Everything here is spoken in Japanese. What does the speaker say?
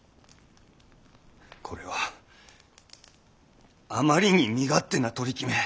これはあまりに身勝手な取り決め。